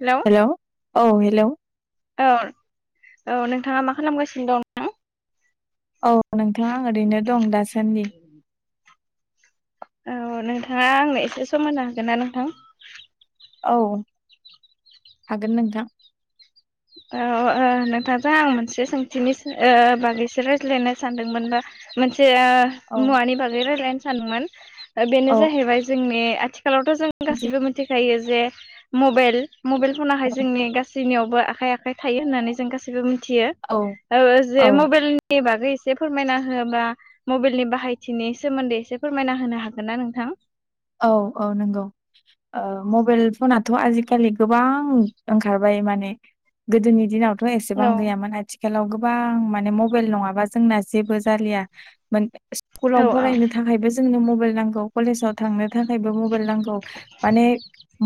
[inaudible] Hello hello औ hello. औ औ नोंथाङा मा खालामगासिनो दं? नोंथां? औ नोंथां आं ओरैनो दं दासान्दि। [inaudible] औ नोंथाङा आंनो एसे सम होनो हागोन ना नोंथां? औ हागोन नोंथां। औ ओ नोंथांजों आं मोनसे सोंथिनि ओ बागैसो रायज्लायनो सानदोंमोनो मोनसे ओ औ मुवानि बागै रायलायनो सानदोंमोन ओ बेनो औ जाहैबाय जोंनि आथिखालावथ' जों गासिबो मिथिखायो जे मबाइल मबाइल फनाहाय जोंनि गासैनियावबो आखाइ आख खाइ थायो होननानै जों गासिबो मिथियो औ ओ जे औ मबेइल नि बागै एसे फोरमायना होबा मबेइलनि बाहायथिनि सोमोन्दै एसे फोरमायना होनो हागोन ना नोंथां? औ औ नोंगौ। ओ मबेइल फनाथ' आजिकालि गोबां ओंखारबाय माने। गोदोनि दिनावथ' एसेबां औ गैयामोन आथि खालाव गोबां माने मबेइल नङाबा जोंना जेबो जालिया औ कुलाव फरायनो थाखायबो जोंनो मबाइल नांगौ कलेजाव थांनो थाखायबो मबाइल नांगौ माने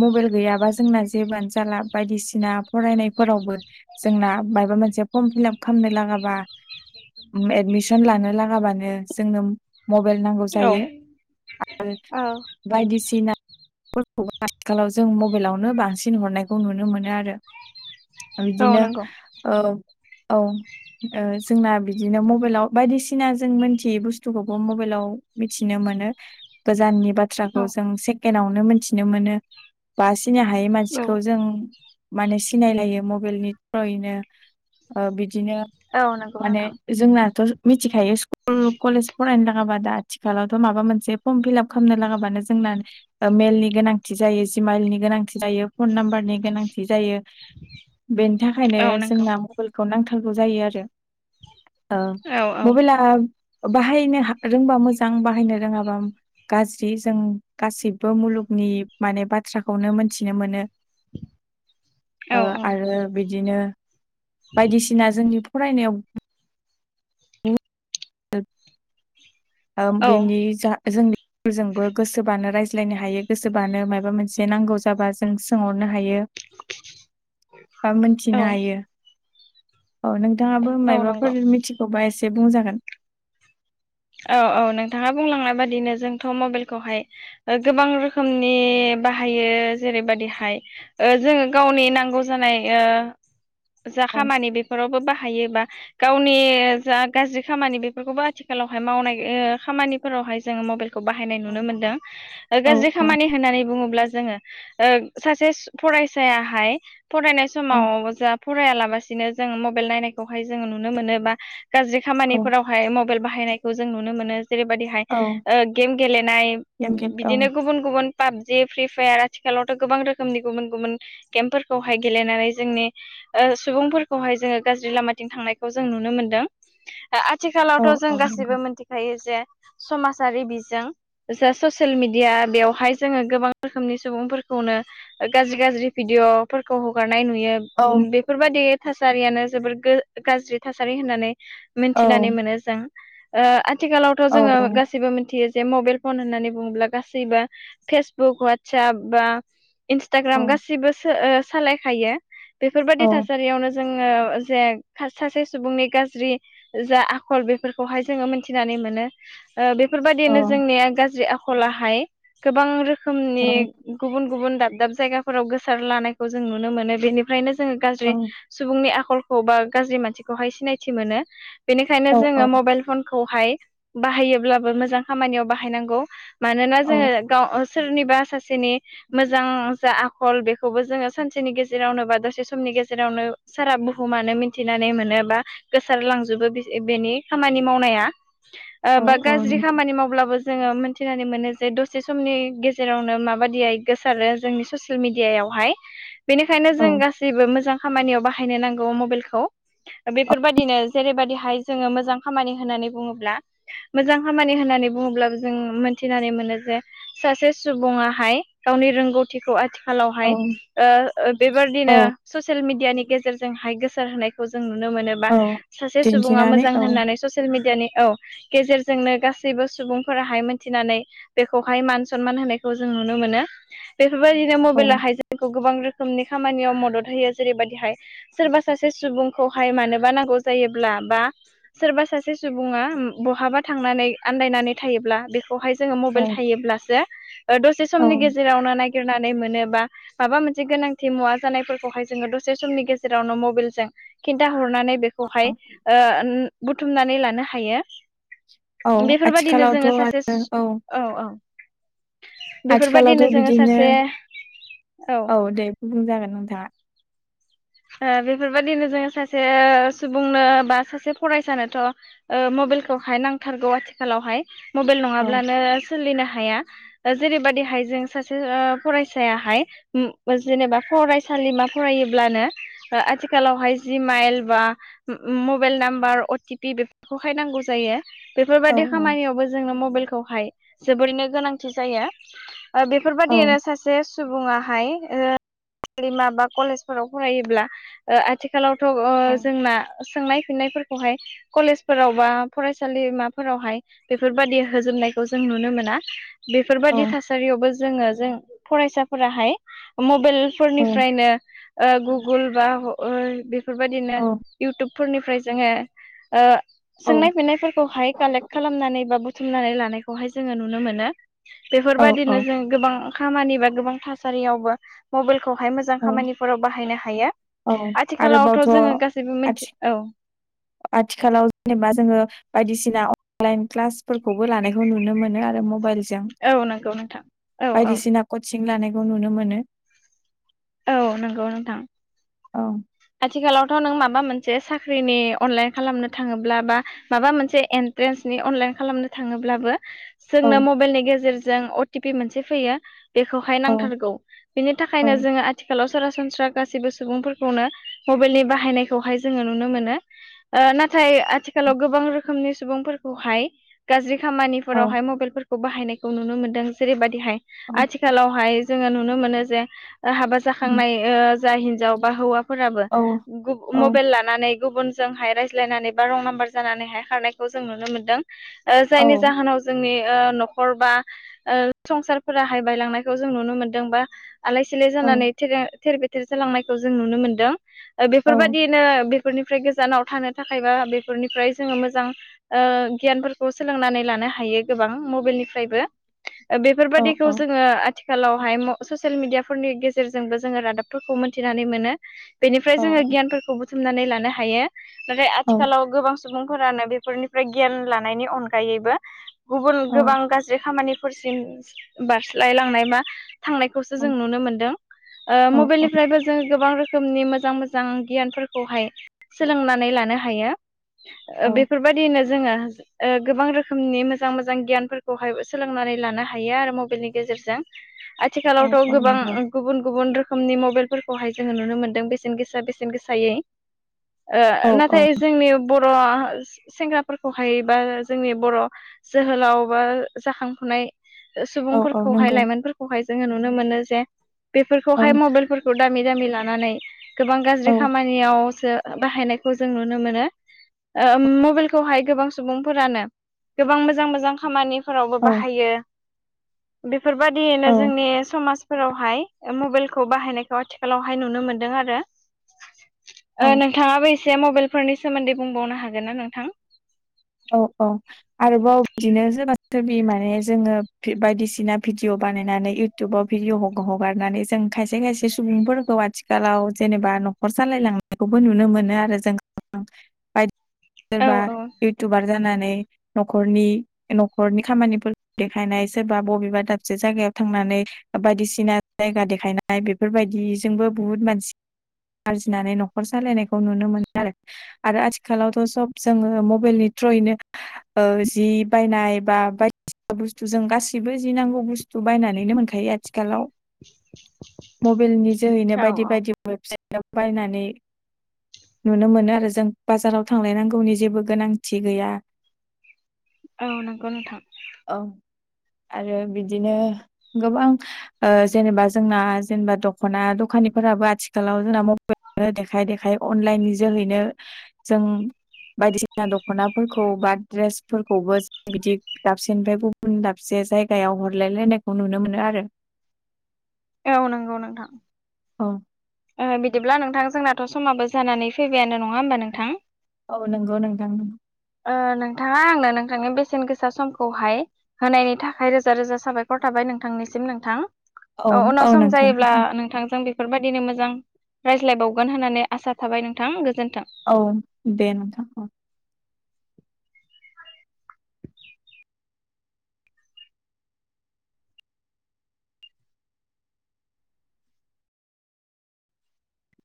मबाइल गैयाबा जोंना जेबोआनो जाला बायदिसिना फरायनायफोरावबो। जोंना मायबा मोनसे फर्म फिलाप खामनो लागाबा उम एडमिसन लानो लागाबानो जोंनो मबाइल नांगौ औ जायो आरो औ बायदिसिना फोरखौबो आथिखालाव जों मबाइलावनो बांसिन हरनायखौ नुनो मोनो आरो। औ बिदिनो नंगौ औ औ। ओ जोंना बिदिनो मबाइलाव बायदिसिना जों मोनथियै बुस्थुखौबो मबाइलाव मिथिनो मोनो गोजाननि औ बाथ्राखौ जों सेकेडआवनो मोनथिनो मोनो बा सिनि हायै औ मानसिखौ जों माने सिनायलायो मबाइलनि थ्रयैनो। बिदिनो औ नंगौ माने नोंथां जोंनाथ' मिथिखायो कुल कलेज फरायनो लागाबा दा आथिखालावथ' माबा मोनसे फर्म फिलाप खामनो लागाबानो जोंना मेइलनि गोनांथि जायो जिमाइलनि गोनांथि जायो। फन नाम्बारनि गोनांथि जायो बेनि थाखायनो औ नंगौ जोंना बेइलखौ नांथारगौ जायो आरो ओ औ मबाइला बाहायनो हा रोंबा मोजां बाहायनो रोङाबा गाज्रि जों गासिब्बो मुलुगनि माने बाथ्राखौनो मोनथिनो मोनो। औ ओ आरो बिदिनो बायदिसिना जोंनि फरायनायाव [unintelligible] ओ औ औ बेनि जा जोंनि जोंजोंबो गोसोबानो राय ज्लायनो हायो गोसोबानो माबा मोनसे नांगौ जाबा जों सोंहरनो हायो बा मिथिनो हायो। औ नोंथाङाबो नंगौ औ माबाफोर मिथिगौबा एसे बुंजागोन। औ औ नोंथाङा बुंलांनाय बादिनो जोंथ' मबाइलखौहाय। ओ गोबां रोखोमनि बाहायो जेरैबादिहाय ओ जोङो गावनि नांगौ जानाय ओ जा औ खामानि बे न'रावबो बाहायोबा गावनि जा गाज्रि खामानि बेफोरखौबो आथिखालाव हाय मावनाय ओ खामानिफोरावहाय जोङो मबाइलखौ बाहायनाय औ नुनो मोनदों। औ गाज्रि खामानि होननानै बुङोब्ला जोङो ओ सासे फरायसायाहाय फरायनाय औ समाव जा फरायालाबसिनो जोङो मबाइल नायनायखौहाय जोङो नुनो मोनो बा गाज्रि औ खामानिफोरावहाय मबाइल बाहायनायखौ जों नुनो मोनो। जेरैबायदिहाय औ ओ गेम गेलेनाय एमकेट औ बिदिनो गुबुन गुबुन पाबजि फ्रि फायार आथिखालावथ' गोबां रोखोमनि गुबुन गुबुन गेमफोरखौहाय गेलेनानै जोंनि ओ सुबुंफोरखौहाय जोङो गाज्रि लामाथिं थांनायखौ जों नुनो मोनदों। ओ औ आथिखालावथ' जों औ नंगौ गासिबो मिथिखायो जे समाजारि बिजों जा ससियेल मिडिया बेवहाय जोङो गोबां रोखोमनि सुबुंफोरखौनो गाज्रि गाज्रि भिदिअफोरखौ हगारनाय नुयो। औ बेफोरबादि थासारियानो जोबोर गो गाज्रि थासारि होननानै औ मिथिनानै मोनो जों ओ आथिखालावथ' औ जोङो गासिबो मिथियो जे मबाइल फन होननानै बुङोब्ला गासैबो फेसबुक वाटसएप बा औ इन्सटाग्राम गासिबो सो ओ सालायखायो बेफोरबायदि औ थासारियावनो जोङो जे खायसे खायसे सुबुंनि गाज्रि जा आखल बे फोरखौहाय जोङो मिथिनानै मोनो ओ औ बेफोरबायदिनो जोंनिया गाज्रि आ खलाहाय गोबां रोखोमनि गुबुन गुबुन दाब दाब जायगाफोराव गोसार लानायखौ जों नुनो मोनो बेनिफ्रायनो जोङो गाज्रि सुबुंनि आखलखौ बा गाज्रि मानसिखौहाय सिनायथि मोनो बेनिखायनो औ जोङो मबाइल फनखौहाय बाहायोब्लाबो मोजां खामानियाव बाहायनांगौ। मानोना औ जोङो गाव सोरनिबा सासेनि मोजां जा आखल बेखौबो जोङो सानसेनि गेजेरावनो बा दसे समनि गेजेरावनो सारा बुहुमानो मिथिनानै मोनोबा गोसारलांजोबो बेनि खामानि मावनाया औ बा औ गाज्रि नंगौ खामानि मावब्लाबो जोङो मोनथिनानै मोनो जे दसे समनि गेजेरावनो माबादियै गोसारो जोंनि ससियेल मिडियायावहाय। बेनिखायनो औ जों गासै बो मोजां खामानियाव बाहायनो नांगौ मबाइलखौ बेफोरबायदिनो जेरैबायदिहाय जोङो मोजां खामानि होननानै बुङोब्ला मोजां खामानि होननानै बुङोब्लाबो जों मोनथिनानै मोनो जे सासे सुबुङाहाय गावनि रोंगौथि थिखौ औ आथिखालावहाय औ बेबायदिनो ससियेल मिडियानि गेजेरजोंहाय गोसार होनायखौ जों नुनो मोनोबा औ सासे सुबुङा दिन्थिनानै मोजां औ होननानै ससियेल मिडियानि औ गेजेरजोंनो गासैबो सुबुंफोराहाय मिथिनानै बेखौहाय मान सनमान होनायखौ जों नुनो मोनो बेफोरबायदिनो औ मबाइलाहाय जों खौ गोबां रोखोमनि खामानियाव मदद होयो जेरैबायदिहाय सोरबा सासे सुबुंखौहाय मानोबा नांगौ जायोब्ला बा सोरबा सासे सुबुङा बहाबा थांनानै आन्दायनानै थायोब्ला बेखौ खौहाय जोङो मबाइल औ थायोब्लासो ओ दसे औ समनि गेजेरावनो नागिरनानै मोनो बा माबा मोनसे गोनांथि मुवा जानायफोरखौहाय जोङो दसे समनि गेजेरावनो मबाइलजों खिन्थाहरनानै बेखौहाय ओ बुथुमनानै लानो हायो। औ बेफोरबायदिनो आथिखालावथ' जोङो सासे आरो सु औ औ बेफोरबायदिनो आथिखालावथ' जोङो बिदिनो सासे औ दे गुबुन जागोन नोंथाङा बेफोरबायदिनो जोङो सासे सुबुंनो बा सासे फरायसानोथ' मबाइलखौहाय नांथारगौ आथिखालावहाय मबाइल औ नङाब्लानो सोलिनो हाया? जेरैबादिहाय जों सासे फरायसायाहाय जेनेबा फरायसालिमा फरायोब्लानो आथिखालावहाय जि माइल बा मबाइल नाम्बार अटिपि बेफोरखौहाय नांगौ जायो औ बेफोरबायाददि खामानियावबो जोंनो मबाइलखौहाय जोबोरैनो गोनांथि जायो बेफोरबायदियनो औ सासे जे सुबुङाहाय फलिमा बा कलेजफोराव फरायोब्ला आथिखालावथ' औ जोंना सोंनाय फिननायफोरखौ खौहाय कलेजफोराव बा फरायसालिमाफोरावहाय बेफोरबादि होजोबनायखौ जों नुनो मोना। बेफोरबादि औ थासारियावबो जोङो जों फरायसाफोराहाय मबाइल औ फोरनिफ्रायनो गुगोल बा बेफोरबायदिनो औ इउटुबफोरनिफ्राय जोङो सोंनाय औ फिन्नायफोरखौहाय कालेक्ट खालामनानै बा बुथुमनानै लानायखौहाय जोङो नुनो मोनो औ बेफोरबायदिनो जों गोबां खामानि बा गोबां थासारियावबो मबाइलखौहाय मोजां औ खामानिफोराव बाहायनो हायो औ आथिखालावथ' आरोबावथ' जोङो गासैबो आथि मिथि औ आथिखालाव जेनेबा जोङो बायदिसिना अनलाइन क्लासफोरखौबो लानायखौ नुनो मोनो आरो मबाइलजों। औ नंगौ नोंथां औ औ। बायदिसिना कचिं लानायखौ नुनो मोनो। औ नंगौ नोंथां। औ आथिखालावथ' नों माबा मोनसे साख्रिनि अनलाइन खालामनो थाङोब्ला बा माबा मोनसे एन्ट्रेन्सनि अनलाइन खालामनो थाङोब्लाबो औ जोंनो मबाइलनि गेजेरजों अ टि पि मोनसे फैयो बेखौहाय औ नांथारगौ बेनि औ थाखायनो जोङो आथिखालाव सरासनस्रा गासैबो सुबुंफोरखौनो मबाइलनि बाहायनायखौहाय जोङो नुनो मोनो। नाथाय आथिखालाव गोबां रोखोमनि सुबुंफोरखौहाय गाज्रि औ खामानिफोरावहाय मबाइलफोरखौ बाहायनायखौ नुनो मोनदों जेरैबायदिहाय औ आथिखालावहाय जोङो नुनो मोनो जे हाबा उम जाखांनाय जा हिनजाव बा हौवा फोराबो औ औ मबाइल नानै गुबुनजोंहाय रायज्लायनानै बा रं नाम्बार जानानैहाय खारनायखौ जों नुनो मोनदों। औ जायनि जाहोनाव जोंनि न'खर बा संसारफोरााहाय बायलांनायखौ जों नुनो मोनदों बा आलाय सिलाय औ जानानै थ थेर बेथेर जालांनायखौ जों नुनो मोनदों बेफोरबायदि बिनो बेफोरनिफ्राय गोजानाव थानो थाखाय बा बेफोरनिफ्राय जोङो मोजां गियानफोरखौ सोलोंनानै लानो हायो गोबां मबाइलनिफ्रायबो बेफोरबादिखौ जोङो आथिखालावहाय ससियेल मिडियाफोरनि गेजे गेजेरजोंबो जोङो रादाबफोरखौ मोनथिनानै मोनो बेनिफ्राय औ जोङो गियानफोरखौ बुथुमनानै लानो हायो नाथाय औ आथिखालाव गोबां सुबुंफोरानो बेफोरनिफ्राय गियान लानायनि अनगायैबो गुबुन गोबां औ गाज्रि खामानिफोरसिम बारस्लायलांनाय बा थांनाय खौसो जों औ नुनो मोनदों औ मबाइलनिफ्रायबो जोंङो गोबां रोखोम रोखोमनि मोजां मोजां गियानफोरखौहाय सोलोंनानै लानो हायो औ बे बेबायदिनो जोङो ओ गोबां रोखोमनि मोजां मोजां गियानफोरखौहाय सोलोंनानै लानो हायो आरो मबाइलनि गेजेरजों औ आथिखालावथ' औ गोबां नंगौ गुबुन गुबुन रोखोमनि मबाइलफोरखौहाय जोङो नुनो मोनदों बेसेन गोसा बेसेन गोसायै ओ औ औ नाथाय जोंनि बर' सेंग्राफोरखौहाय‌ बा जोंनि बर' जोहोलाव बा जाखांफुनाय औ औ सुबुंफोरखौहाय नंगौ लाइमोनफोरखौहाय जोङो नुनो मोनो जे औ बेफोरखौहाय मबाइलफोरखौ दामि दामि लानानै गोबां औ गाज्रि खामानि नियावसो बाहायनायखौ जों नुनो मोनो ओ मबाइलखौहाय गोबां सुबुंफोरानो गोबां मोजां मोजां खामानि फोरावबो औ बाहायो बेफोरबादियैनो जोंनि समाजफोराव मबाइलखौ बाहायनायखौ आथिखालावहाय नुनो मोनदों आरो ओ औ नोंथाङाबो एसे मबाइलफोरनि सोमोन्दै बुंबावनो हागोन ना नोंथां? अ अ आरोबाव बिदिनो सोरबा सोरबि माने जोङो भि बायदिसिना भिडिअ बानायनानै इउ इउटुबाव भिडिअ ह-हगारनानै जों खायसे खायसे सुबुंफोरखौ आथिखालाव जेनेबा न'खर सालायलां नायखौबो नुनो मोनो आरो जों बायदि औ सोरबा इउटुबार जानानै न'खरनि न'खरनि खामानिफोरखो देखायनाय सोरबा बबेबा दाबसे जायगायाव थांनानै बायदिसिना जायगा देखायनाय बेफोरबायदिजोंबो बुहुत मानसि आरजिनानै न'खर सालायनायखौ नुनो मोनो आरो आरो आथिखालावथ' सब जोङो मब मबेलनि ट्र'यैनो ओ जि बायनाय बा बायदिसिना बुस्थु जों गासैबो जि नांगौ बुस्थु बायनानैनो मोनखायो आथिखालाव मबेलनि जोहैनो बायदि बायदि औ वेबसाइटाव बायनानै नुनो मोनो आरो जों बाजाराव थांलायनांगौनि जेबो गोनांथि गैया औ नंगौ नोंथां औ आरो बिदिनो गोबां ओ जेनेबा जोंना जेनेबा दख'ना दखानिफोराबो आथिखालाव जोंना म मबेलखोनो देखाय देखाय अनलाइन नि जोहैनो जों बायदिसिना बा दख'नाफोरखौ बा ड्रेसफोरखौबो जों बिदि दाबसेनिफ्राय गुबुन दाबसे जायगायाव हरलायलायनायखौ नुनो मोनो आरो औ नंगौ नोंथां औ ओ बिदिब्ला नोंथां जोंनाथ' समाबो जानानै फैबायानो नङा होमबा नोंथां? औ नंगौ नोंथां ओ नोंथाङा आंनो नोंथांनि बेसेन गोसा समखौहाय होनायनि थाखाय रोजा रोजा साबायखर थाबाय नोंथांनिसिम नोंथां औ उनाव सम जायोब्ला नोंथांजों बेफ फोरबायदिनो मोजां रायज्लायबावगोन होननानै आसा थाबाय नोंथां गोजोन्थों औ दे नोंथां